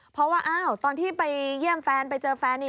เพราะว่าตอนที่ไปเยี่ยมแฟนไปเจอแฟน